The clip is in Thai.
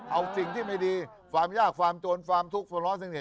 เอาสิ่งที่ไม่ดีความยากความโจรความทุกข์ความล้อสิ่งเหตุ